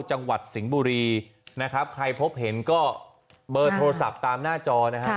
จังหวัดสิงห์บุรีนะครับใครพบเห็นก็เบอร์โทรศัพท์ตามหน้าจอนะฮะ